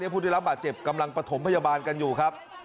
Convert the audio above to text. ผู้ได้รับบาดเจ็บกำลังประถมพยาบาลกันอยู่ครับ